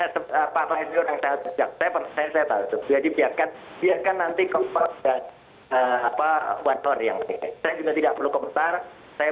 jadi biarkan biarkan nanti kompas dan apa one for yang penting saya juga tidak perlu komentar saya